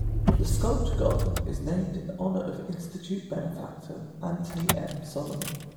The sculpture garden is named in honor of Institute benefactor Anthony M. Solomon.